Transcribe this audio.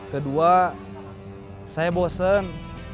kedua saya bosen